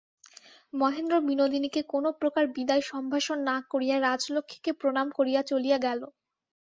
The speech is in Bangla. মহেন্দ্র বিনোদিনীকে কোনোপ্রকার বিদায়সম্ভাষণ না করিয়া রাজলক্ষ্মীকে প্রণাম করিয়া চলিয়া গেল।